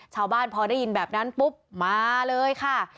ชาวบ้านพอได้ยินแบบนั้นปุ๊บมาเลยค่ะ